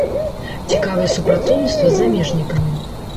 Цікавае супрацоўніцтва з замежнікамі.